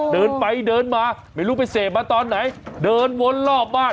เดินไปเดินมาไม่รู้ไปเสพมาตอนไหนเดินวนรอบบ้าน